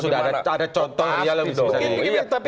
maksudnya sudah ada contoh real misalnya